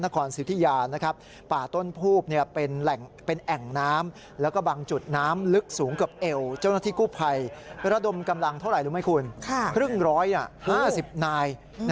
ครึ่งร้อย๕๐นาย